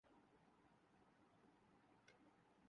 محسن خان کی زیر سربراہی کرکٹ کمیٹی تشکیل